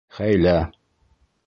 Хәйлә!